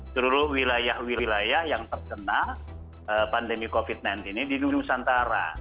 seluruh wilayah wilayah yang terkena pandemi covid sembilan belas ini di nusantara